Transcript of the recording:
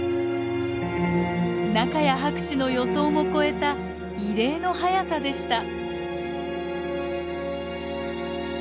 仲谷博士の予想も超えた異例の早さでした。